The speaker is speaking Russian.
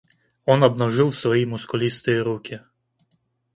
Он обнажил свои мускулистые руки.